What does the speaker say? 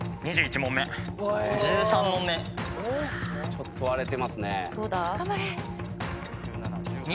ちょっと割れてますね。